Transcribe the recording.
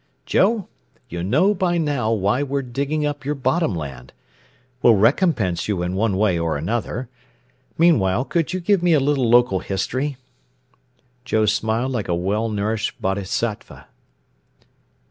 "Joe, you know by now why we're digging up your bottom land. We'll recompense you in one way or another. Meanwhile, could you give me a little local history?" Joe smiled like a well nourished bodhisattva.